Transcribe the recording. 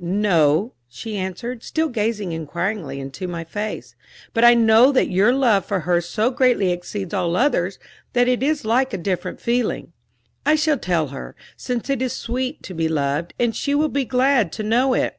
"No," she answered, still gazing inquiringly into my face. "But I know that your love for her so greatly exceeds all others, that it is like a different feeling. I shall tell her, since it is sweet to be loved, and she will be glad to know it."